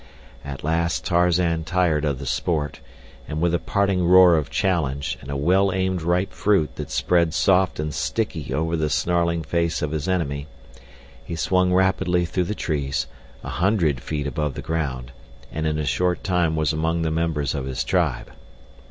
At last Tarzan tired of the sport, and with a parting roar of challenge and a well aimed ripe fruit that spread soft and sticky over the snarling face of his enemy, he swung rapidly through the trees, a hundred feet above the ground, and in a short time was among the members of his tribe.